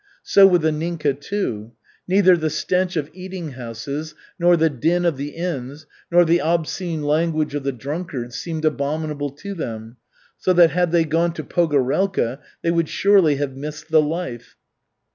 So with Anninka, too. Neither the stench of eating houses, nor the din of the inns, nor the obscene language of the drunkards seemed abominable to them, so that had they gone to Pogorelka, they would surely have missed the "life."